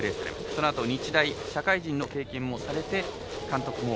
そのあと日大、社会人の経験をされて監督